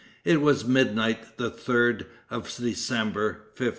It was midnight the 3d of December, 1533.